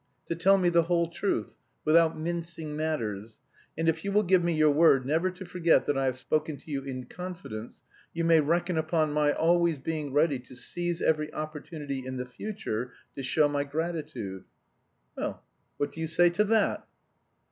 'to tell me the whole truth, without mincing matters. And if you will give me your word never to forget that I have spoken to you in confidence, you may reckon upon my always being ready to seize every opportunity in the future to show my gratitude.' Well, what do you say to that?"